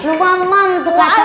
rumah emang tuh kacau